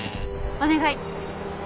お願い。